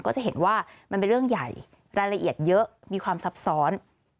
ก็จะเห็นว่ามันเป็นเรื่องใหญ่รายละเอียดเยอะมีความซับซ้อน